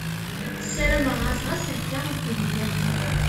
Ssarameɣ-as ɣas akka, afud igerrzen !